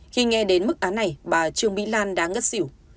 khi nghe đến mức án này bà trương mỹ lan đã ngất xỉu